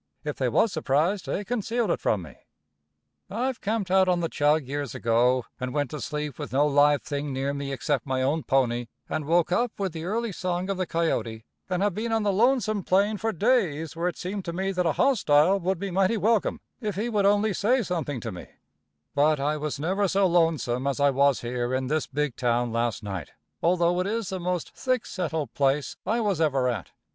If they was surprised, they concealed it from me. I've camped out on the Chug years ago, and went to sleep with no live thing near me except my own pony, and woke up with the early song of the coyote, and have been on the lonesome plain for days where it seemed to me that a hostile would be mighty welcome if he would only say something to me, but I was never so lonesome as I was here in this big town last night, although it is the most thick settled place I was ever at.